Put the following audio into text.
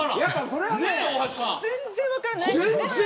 全然分からない。